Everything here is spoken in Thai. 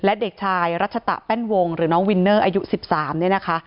และเด็กชายรัชตะแป้นวงหรือน้องวินเนอร์อายุ๑๓เนี่ยนะคะ